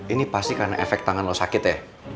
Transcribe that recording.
ini pasti karena efek tangan lo sakit ya